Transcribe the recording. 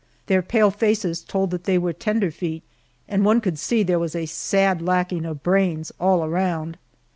Their pale faces told that they were "tenderfeet," and one could see there was a sad lacking of brains all around.